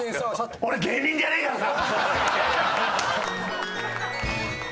俺芸人じゃねえからさ！